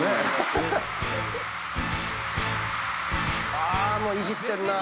あもういじってんなぁ。